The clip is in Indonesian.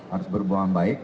harus berbohong baik